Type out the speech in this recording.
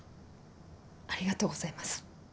ありがとうございます。